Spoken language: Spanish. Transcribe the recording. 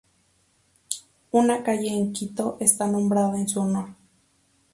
Una calle en Quito está nombrada en su honor.